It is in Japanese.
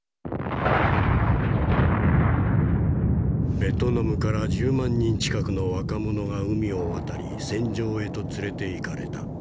「ベトナムから１０万人近くの若者が海を渡り戦場へと連れていかれた。